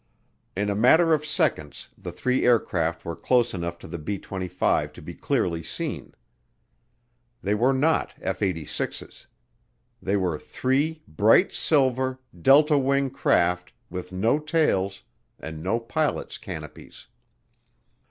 In a matter of seconds the three aircraft were close enough to the B 25 to be clearly seen. They were not F 86's. They were three bright silver, delta wing craft with no tails and no pilot's canopies.